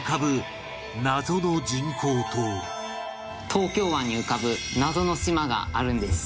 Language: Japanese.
東京湾に浮かぶ謎の島があるんです。